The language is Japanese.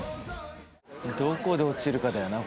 どこで落ちるかだよな